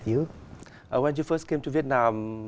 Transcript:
quốc gia quốc gia việt nam